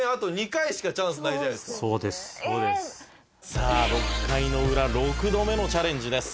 「さあ６回のウラ６度目のチャレンジです」